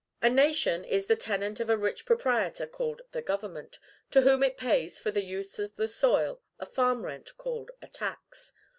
A nation is the tenant of a rich proprietor called the GOVERNMENT, to whom it pays, for the use of the soil, a farm rent called a tax.